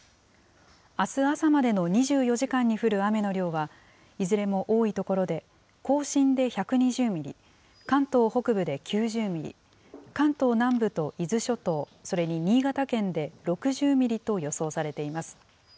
あす朝までの２４時間に降る雨の量は、いずれも多い所で、甲信で１２０ミリ、関東北部で９０ミリ、関東南部と伊豆諸島、それに新潟県で６０ミリと予想されています。